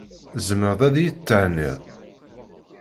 Tzemreḍ ad iyi-thenniḍ?